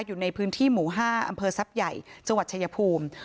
อยู่ในพื้นที่หมู่๕อำเภอทรัพย์ใหญ่จังหวัดชายภูมิ